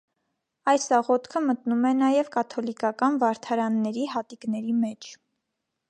Այս աղոթքը մտնում է նաև կաթոլիկական վարդարանների հատիկների մեջ։